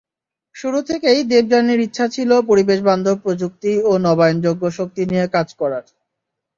শুরু থেকেই দেবযানীর ইচ্ছা ছিল পরিবেশবান্ধব প্রযুক্তি এবং নবায়নযোগ্য শক্তি নিয়ে কাজ করার।